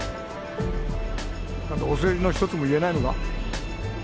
お世辞のひとつも言えないのか？